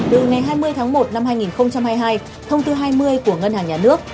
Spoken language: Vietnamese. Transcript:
từ ngày hai mươi tháng một năm hai nghìn hai mươi hai thông tư hai mươi của ngân hàng nhà nước